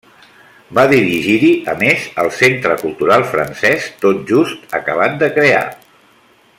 Va dirigir-hi a més el Centre Cultural francès, tot just acabat de crear.